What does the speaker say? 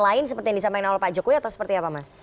lain seperti yang disampaikan oleh pak jokowi atau seperti apa mas